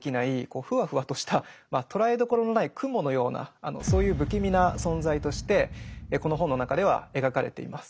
こうふわふわとした捉えどころのない雲のようなそういう不気味な存在としてこの本の中では描かれています。